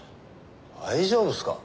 大丈夫ですか？